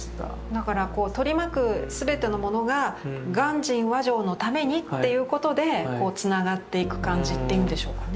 だからこう取り巻く全てのものが鑑真和上のためにっていうことでつながっていく感じっていうんでしょうかね。